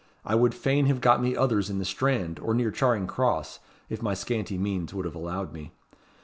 I would fain have got me others in the Strand, or near Charing Cross, if my scanty means would have allowed me.